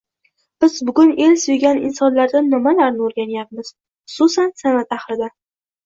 Biz bugun el suygan insonlardan nimalarni o‘rganyapmiz, xususan, san’at ahlidan?